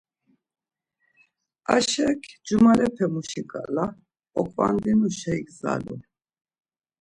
Aşek cumalepe muşi ǩala oǩvadinuşa igzalu.